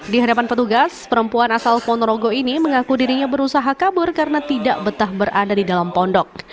di hadapan petugas perempuan asal ponorogo ini mengaku dirinya berusaha kabur karena tidak betah berada di dalam pondok